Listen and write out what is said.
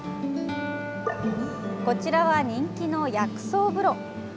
こちらは人気の薬草風呂。